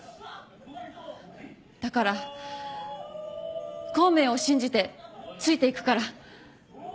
だから孔明を信じてついていくから。